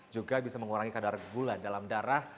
juga bisa mengurangi kadar gula dalam darah